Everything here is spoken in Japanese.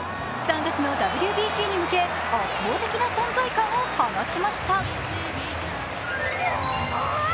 ３月のＷＢＣに向け、圧倒的な存在感を放ちました。